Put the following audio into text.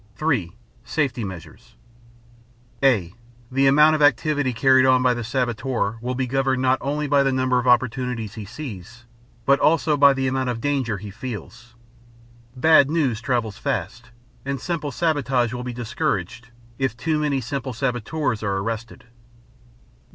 (3) Safety Measures (a) The amount of activity carried on by the saboteur will be governed not only by the number of opportunities he sees, but also by the amount of danger he feels. Bad news travels fast, and simple sabotage will be discouraged if too many simple saboteurs are arrested.